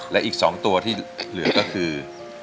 และอีก๒ตัวที่เหลือก็คือ